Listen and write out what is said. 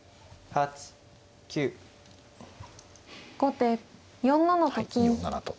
後手４七と金。